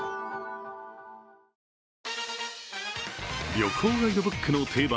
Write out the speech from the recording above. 旅行ガイドブックの定番